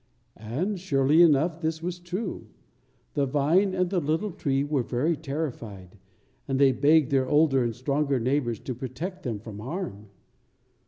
And, surely enough, this was true. The vine and the little tree were very terrified, and they begged their older and stronger neighbors to protect them from harm.